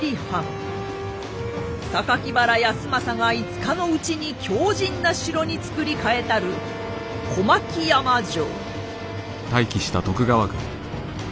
原康政が５日のうちに強じんな城に造り替えたる小牧山城。